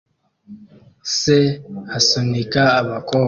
Se asunika abakobwa